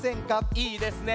いいですね